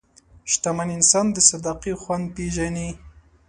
شتمن انسان د صدقې خوند پېژني.